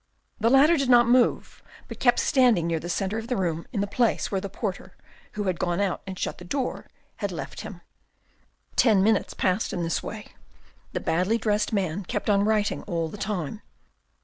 The latter did not move, but kept standing near the centre of the room in the place where the porter, who had gone out and shut the door, had left him. Ten minutes passed in this way : the badly dressed man kept on writing all the time.